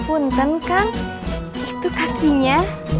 unten kan itu kakinya